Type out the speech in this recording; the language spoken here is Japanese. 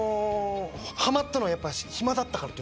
はまったのはやっぱり暇だったから。